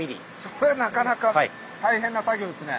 それなかなか大変な作業ですね。